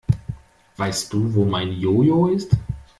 Weißt du, wo mein Jo-Jo ist?